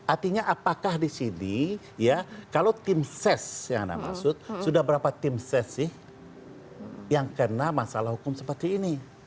artinya apakah di sini kalau tim ses sudah berapa tim ses sih yang kena masalah hukum seperti ini